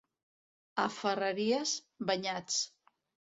A Ferreries, banyats.